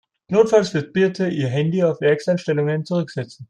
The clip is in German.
Notfalls wird Birte ihr Handy auf Werkseinstellungen zurücksetzen.